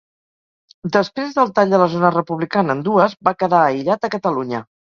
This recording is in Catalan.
Després del tall de la zona republicana en dues va quedar aïllat a Catalunya.